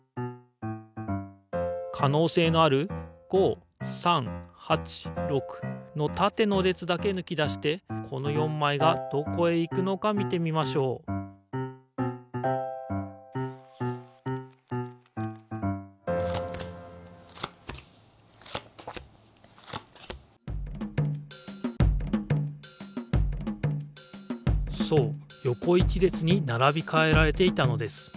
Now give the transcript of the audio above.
かのうせいのある５３８６のたての列だけぬき出してこの４枚がどこへ行くのか見てみましょうそうよこ１列にならびかえられていたのです。